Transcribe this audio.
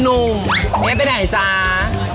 เดี๋ยวไปไหนจ้า